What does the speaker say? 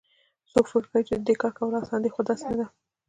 څوک فکر کوي چې د دې کار کول اسان دي خو داسي نه ده